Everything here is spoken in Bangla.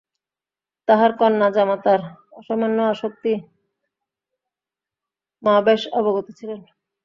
তাঁহার কন্যাজামাতার অসামান্য আসক্তি মা বেশ অবগত ছিলেন।